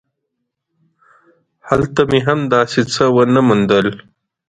هلته مې هم داسې څه ونه موندل.